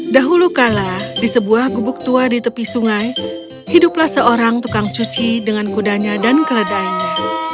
dahulu kala di sebuah gubuk tua di tepi sungai hiduplah seorang tukang cuci dengan kudanya dan keledainya